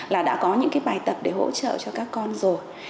là đã có những cái bài tập để hỗ trợ cho các con rồi